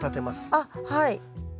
あっはい。